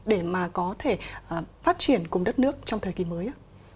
để mà có thể phát triển cùng đất nước trong thời kỳ mới